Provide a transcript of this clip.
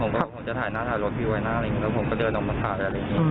ผมก็บอกว่าผมจะถ่ายหน้าถ่ายรถพี่ไว้นะแล้วผมก็เดินออกมาถ่ายอะไรอย่างนี้